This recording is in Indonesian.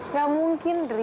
nggak mungkin dri